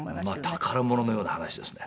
宝物のような話ですね。